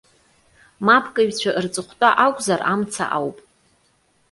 Мапкыҩцәа рҵыхәтәа акәзар, амца ауп.